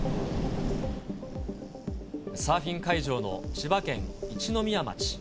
サーフィン会場の千葉県一宮町。